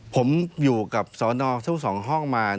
ผมอยู่กับสนทุกสองห้องมา